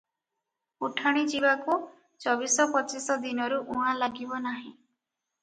ଉଠାଣି ଯିବାକୁ ଚବିଶ ପଚିଶ ଦିନରୁ ଉଣା ଲାଗିବ ନାହିଁ ।